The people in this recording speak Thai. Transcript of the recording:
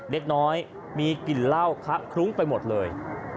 เล็กน้อยมีกลิ่นเหล้าคะคลุ้งไปหมดเลย